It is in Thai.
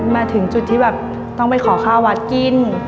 มาถึงจุดที่แบบต้องไปขอข้าววัดกิน